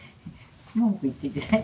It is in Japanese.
文句言ってんじゃない？